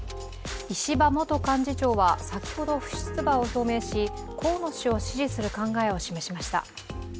石破元幹事長は先ほど不出馬を表明し河野氏を支持する考えを示しました。